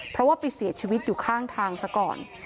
เพราะว่าไปเสียชีวิตอยู่ข้างทางซะก่อน